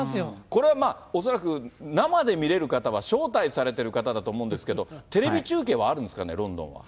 これはまあ、恐らく生で見れる方は、招待されてる方だと思うんですけど、テレビ中継はあるんですかね、ロンドンは。